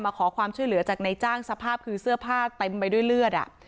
ขอความช่วยเหลือจากในจ้างสภาพคือเสื้อผ้าเต็มไปด้วยเลือด